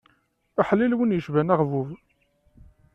Aḥlil win icban aɣbub.